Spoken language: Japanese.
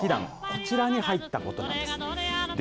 こちらに入ったことなんです。